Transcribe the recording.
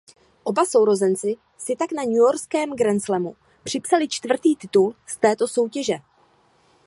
Oba sourozenci si tak na newyorském grandslamu připsali čtvrtý titul z této soutěže.